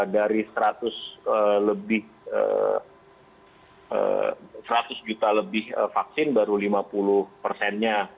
dari seratus juta lebih vaksin baru lima puluh persennya